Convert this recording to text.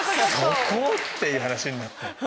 そこ⁉っていう話になって。